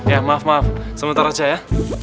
ya maaf maaf sementara aja ya